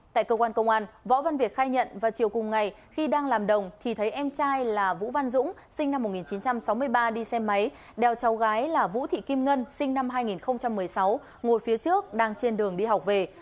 tại cơ quan công an võ văn việt khai nhận vào chiều cùng ngày khi đang làm đồng thì thấy em trai là vũ văn dũng sinh năm một nghìn chín trăm sáu mươi ba đi xe máy đeo cháu gái là vũ thị kim ngân sinh năm hai nghìn một mươi sáu ngồi phía trước đang trên đường đi học về